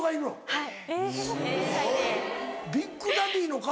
はい。